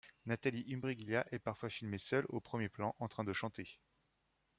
Natalie Imbruglia est parfois filmée seule au premier plan en train de chanter.